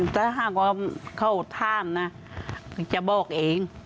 ถ้าหากเขาถามจะบอกเอง